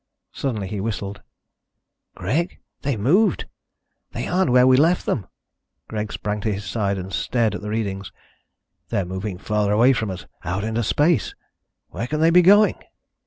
Suddenly he whistled. "Greg, they've moved! They aren't where we left them!" Greg sprang to his side and stared at the readings. "They're moving farther away from us ... out into space. Where can they be going?"